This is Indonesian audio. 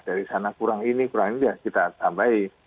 dari sana kurang ini kurang ini ya kita tambahin